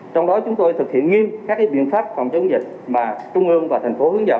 trong đó chúng tôi thực hiện nghiêm các biện pháp phòng chống dịch mà trung ương và thành phố hướng dẫn